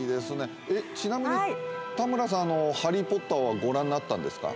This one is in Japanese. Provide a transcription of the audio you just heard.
ちなみに田村さん「ハリー・ポッター」はご覧になったんですか？